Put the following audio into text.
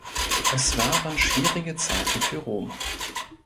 Es waren schwierige Zeiten für Rom.